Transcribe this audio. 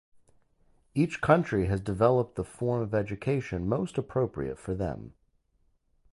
Each country has developed the form of education most appropriate for them.